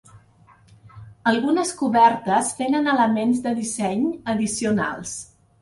Algunes cobertes tenen elements de disseny addicionals.